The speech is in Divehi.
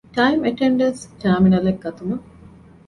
ޓައިމް އެޓެންޑެންސް ޓާރމިނަލެއް ގަތުމަށް